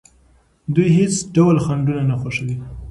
دوی هیڅ ډول خنډونه نه خوښوي.